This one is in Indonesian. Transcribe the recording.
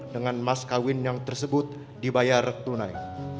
dengan mas kawin yang tersebut dibayar tunai